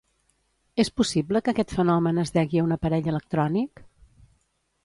És possible que aquest fenomen es degui a un aparell electrònic?